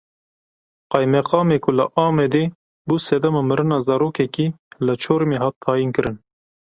Qeymeqamê ku li Amedê bû sedema mirina zarokekî li Çorumê hat tayinkirin.